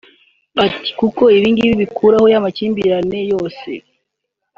Ati “Kuko ibingibi bikuraho ya makimbirane yose